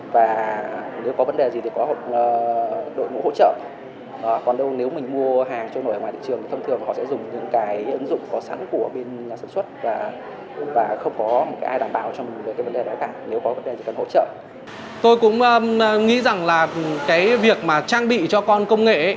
và cái việc mà trang bị cho con công nghệ